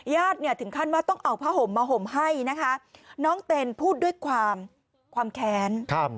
ญาติถึงคันว่าต้องเอาผ้าโหมมาโหมให้น้องเต็นพูดด้วยความความแค้น